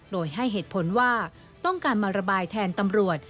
โดยให้เหตุผลว่าต้องการมาระบายแทนตำรวจ